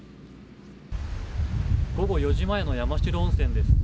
午後４時前の山代温泉です。